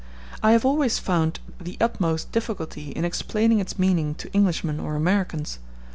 I have always found the utmost difficulty in explaining its meaning to Englishmen or Americans.